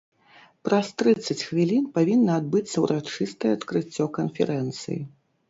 Праз трыццаць хвілін павінна адбыцца ўрачыстае адкрыццё канферэнцыі.